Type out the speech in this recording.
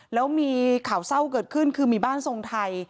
แล้วมีข่าวเศร้าเกิดขึ้นคือมีบ้านทรงไทย